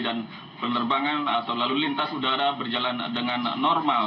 dan penerbangan atau lalu lintas udara berjalan dengan normal